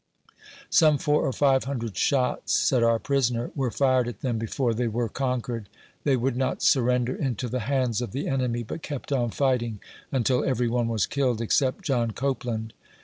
Some four or five hundred shots, said our prisoner, were fired at them before they were conquered. They would not surrender into the hands of the enemy, but kept on fight ing until every one was killed, except John Copeland.